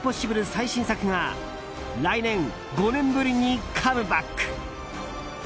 最新作が来年５年ぶりにカムバック。